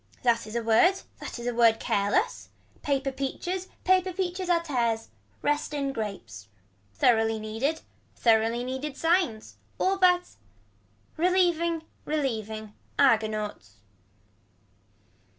That is a word. That is a word careless. Paper peaches. Paper peaches are tears. Rest in grapes. Thoroughly needed. Thoroughly needed signs. All but. Relieving relieving. Argonauts.